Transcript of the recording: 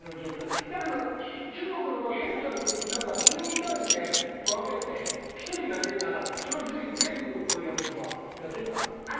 だけど中国の場合検査の時なんか１０人単位で分けて１人が出たらその１０人全部こうやるとかやってたな。